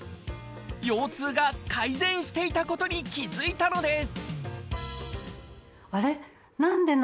腰痛が改善していたことに気付いたのです！